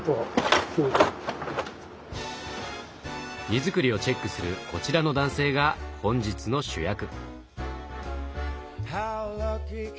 荷造りをチェックするこちらの男性が本日の主役。